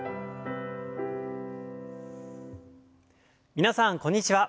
皆さんこんにちは。